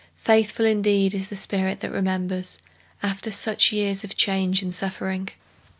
Faithful indeed is the spirit that remembers After such years of change and suffering!